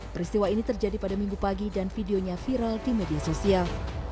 peristiwa ini terjadi pada minggu pagi dan videonya viral di media sosial